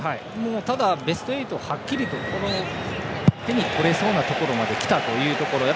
ただ、ベスト８ははっきりと手に取れそうなところまで来たというところで。